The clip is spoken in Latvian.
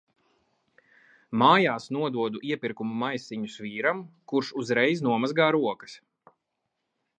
Mājās nododu iepirkumu maisiņus vīram, kurš uzreiz nomazgā rokas.